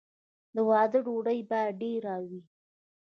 د واده ډوډۍ باید ډیره وي.